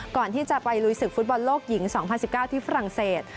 ก่อนที่จะไปลุยศึกฟุตบอลโลกหญิง๒๐๑๙ที่ฝรั่งเศส